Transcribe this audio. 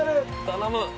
頼む！